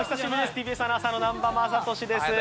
ＴＢＳアナウンサーの南波雅俊です。